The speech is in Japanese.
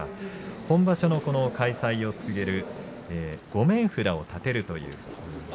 本場所の開催を告げる御免札を立てると。